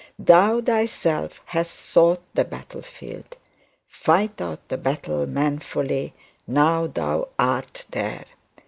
Thou thyself hast sought the battlefield; fight out the battle manfully now thou art there.